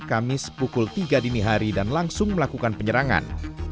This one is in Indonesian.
kamis pukul tiga dini hari dan langsung melakukan penyerangan